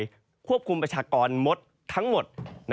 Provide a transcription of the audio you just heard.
ควบคุมประชากรมดทั้งหมด